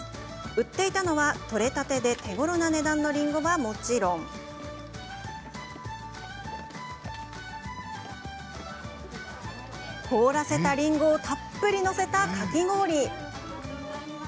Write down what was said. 売っていたのは、取れたてで手ごろな値段のりんごはもちろん凍らせたりんごをたっぷり載せた、かき氷。